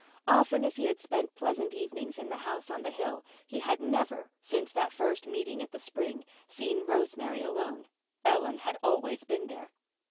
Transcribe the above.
Often as he had spent pleasant evenings in the house on the hill he had never, since that first meeting at the spring, seen Rosemary alone. Ellen had always been there.